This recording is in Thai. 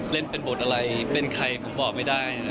เล่นเป็นบทอะไรเป็นใครผมบอกไม่ได้นะ